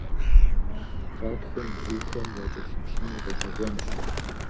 Гъатхэм бзухэм уакӀэлъыплъыну гъэщӀэгъуэнщ.